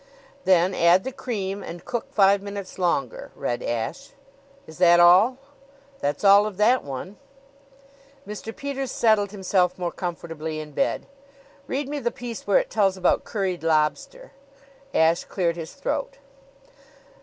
"'Then add the cream and cook five minutes longer'" read Ashe. "Is that all?" "That's all of that one." Mr. Peters settled himself more comfortably in bed. "Read me the piece where it tells about curried lobster." Ashe cleared his throat.